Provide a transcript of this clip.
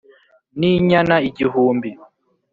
n'inyana igihumbi